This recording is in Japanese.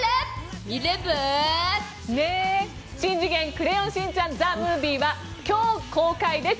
クレヨンしんちゃんＴＨＥＭＯＶＩＥ」は今日、公開です。